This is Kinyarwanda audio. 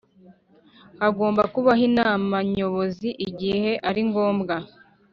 Hagomba kubaho inama nyobozi igihe ari ngombwa